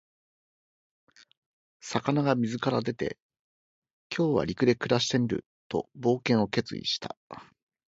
魚が水から出て、「今日は陸で暮らしてみる」と冒険を決意した。